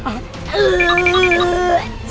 ngapain lu pak cik